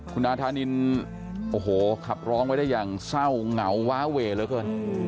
คุณอาธานินโอ้โหขับร้องไว้ได้อย่างเศร้าเหงาว้าเวเหลือเกิน